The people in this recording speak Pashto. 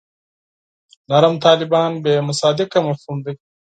نرم طالبان بې مصداقه مفهوم دی.